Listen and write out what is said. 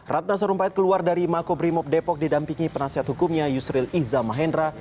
ratna sarumpayat keluar dari mako brimob depok didampingi penasihat hukumnya yusril iza mahendra